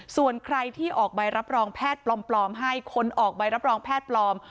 ส่วนใครที่ออกใบรับรองแพทย์ปลอมให้คนออกใบรับรองแพทย์ปลอม